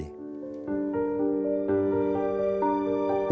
จึงสงบเยือกเย็นให้เป็นไป